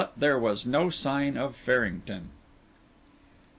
But there was no sign of Farrington.